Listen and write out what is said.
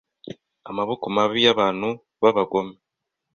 amaboko mabi y’abantu b’abagome